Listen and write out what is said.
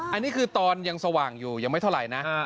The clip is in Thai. อันนี้คือตอนยังสว่างอยู่ยังไม่เท่าไหร่นะ